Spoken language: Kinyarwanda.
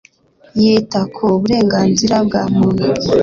yita ku burenganzira bwa muntu